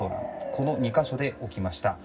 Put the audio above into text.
この２か所で起きました。